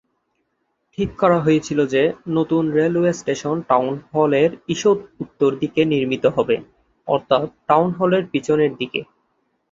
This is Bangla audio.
ঠিক করা হয়েছিল যে নতুন রেলওয়ে স্টেশন টাউন হলের ঈষৎ উত্তর দিকে নির্মিত হবে; অর্থাৎ টাউন হলের পিছনের দিকে।